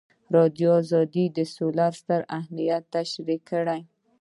ازادي راډیو د سوله ستر اهميت تشریح کړی.